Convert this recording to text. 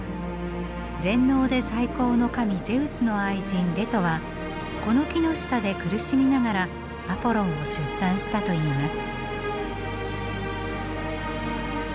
全能で最高の神ゼウスの愛人レトはこの木の下で苦しみながらアポロンを出産したといいます。